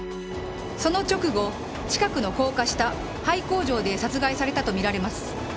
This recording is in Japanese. その直後近くの高架下廃工場で殺害されたとみられます。